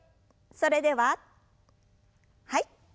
それでははい。